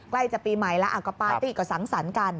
ใกล้จะปีใหม่แล้วก็ปาร์ตี้ก็สังสรรค์กัน